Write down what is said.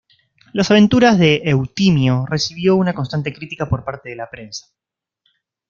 Las Aventuras de Eutimio recibió una constante critica por parte de la prensa.